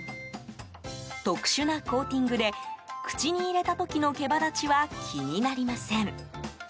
特殊なコーティングで口に入れた時の毛羽立ちは気になりません。